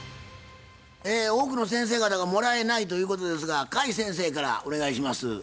多くの先生方が「もらえない」ということですが甲斐先生からお願いします。